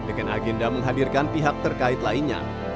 dengan agenda menghadirkan pihak terkait lainnya